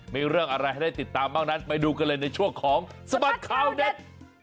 มีเรื่องอะไรให้ได้ติดตามบ้างนั้นไปดูกันเลยในช่วงของสบัดข่าวเด็ด